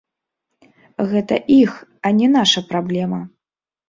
Гэта іх, а не наша праблема.